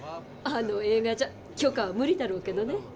あの映画じゃ許可は無理だろうけどね。